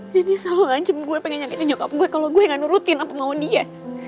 jadi selalu ancam gue pengen nyakitin nyokap gue kalo gue gak nurutin apa mau dia